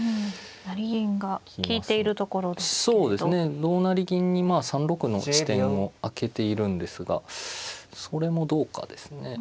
同成銀に３六の地点を空けているんですがそれもどうかですね。